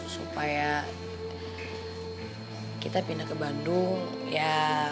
supaya kita pindah ke bandung ya